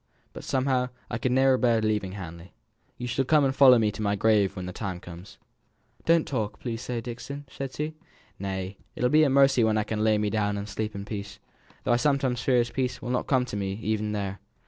But somehow I could ne'er bear leaving Hamley. You shall come and follow me to my grave when my time comes." "Don't talk so, please, Dixon," said she. "Nay, it'll be a mercy when I can lay me down and sleep in peace: though I sometimes fear as peace will not come to me even there."